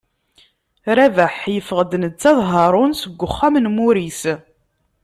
Rabaḥ yeffeɣ-d netta d Haṛun seg uxxam n Muris.